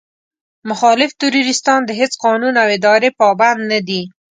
مخالف تروريستان د هېڅ قانون او ادارې پابند نه دي.